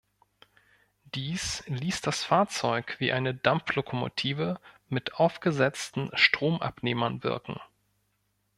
Dies ließ das Fahrzeug wie eine Dampflokomotive mit aufgesetzten Stromabnehmern wirken.